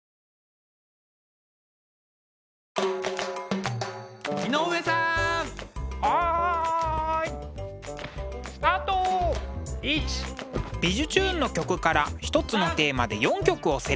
「びじゅチューン！」の曲から一つのテーマで４曲をセレクト。